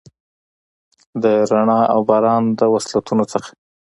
د رڼا اوباران، د وصلتونو څخه،